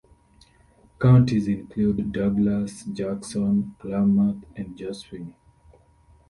Counties include Douglas, Jackson, Klamath, and Josephine.